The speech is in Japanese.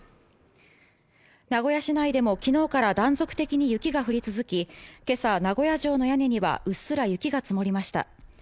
名古屋市内でも昨日から断続的に雪が降り続き、今朝、名古屋城の屋根にはうっすら雪が積もりました。